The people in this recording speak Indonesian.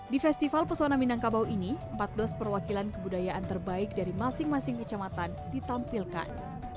di festival pesona minangkabau ini empat belas perwakilan kebudayaan terbaik dari masing masing kecamatan ditampilkan